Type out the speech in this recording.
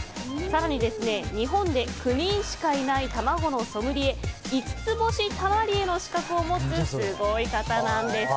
更に、日本で９人しかいない卵のソムリエ五ツ星タマリエの資格を持つすごい方なんです。